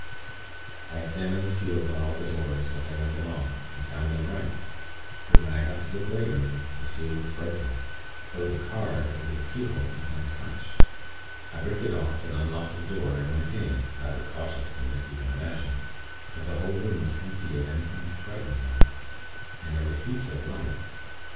"I examined the seals on all the doors, as I went along, and found them right; but when I got to the Grey Room, the seal was broken; though the card, over the keyhole, was untouched. I ripped it off, and unlocked the door, and went in, rather cautiously, as you can imagine; but the whole room was empty of anything to frighten one, and there was heaps of light.